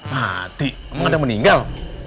mati emang ada meninggal